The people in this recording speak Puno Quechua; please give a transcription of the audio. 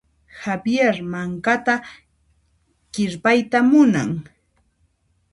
Javier mankata kirpayta munan.